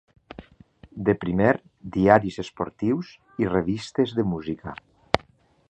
De primer, diaris esportius i revistes de música.